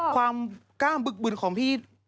ความกล้ามบึกบึนของพี่